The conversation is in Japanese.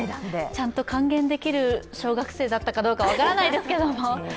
ちゃんと還元できる小学生だったかどうか分からないですけれども。